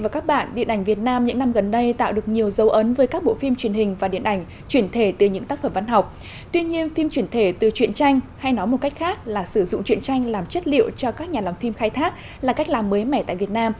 các bạn hãy đăng ký kênh để ủng hộ kênh của chúng mình nhé